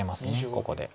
ここで。